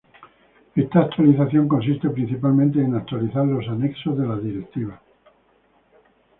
Esta actualización consiste principalmente en actualizar los anexos de las directivas.